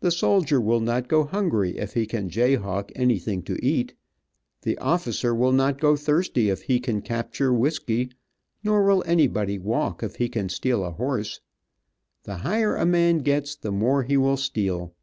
The soldier will not go hungry if he can jay hawk anything to eat. The officer will not go thirsty if he can capture whisky, nor will anybody walk if he can steal a horse. The higher a man gets the more he will steal.